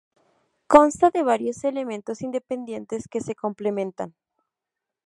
Consta de varios elementos independientes, que se complementan.